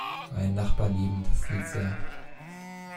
Meine Nachbarn lieben das Lied sehr.